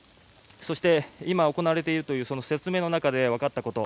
そして、今行われているという説明の中で分かったこと。